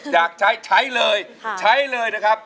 อยากใช้ใช้เลยใช้เลยนะครับ